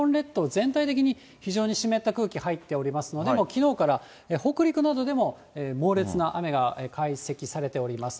全体的に非常に湿った空気、入っておりますので、きのうから北陸などでも猛烈な雨が解析されております。